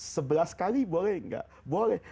sebelas kali boleh nggak boleh